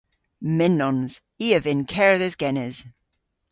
Mynnons. I a vynn kerdhes genes.